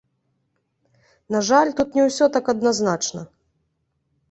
На жаль, тут не ўсё так адназначна.